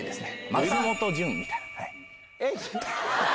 松本潤みたいな。